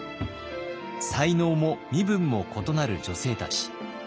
才能も身分も異なる女性たち。